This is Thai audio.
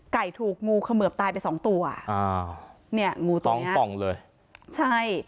ถูกงูเขมือบตายไปสองตัวอ้าวเนี่ยงูต้องป่องเลยใช่